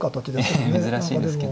珍しい形ですね。